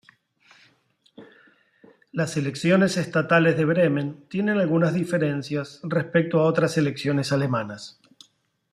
Las elecciones estatales de Bremen tienen algunas diferencias respecto a otras elecciones alemanas.